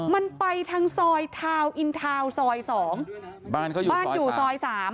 มันไปทางซอยทาวน์อินทาวน์ซอย๒บ้านอยู่ซอย๓